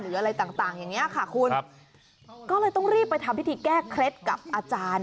อะไรต่างอย่างนี้ค่ะคุณก็เลยต้องรีบไปทำพิธีแก้เคล็ดกับอาจารย์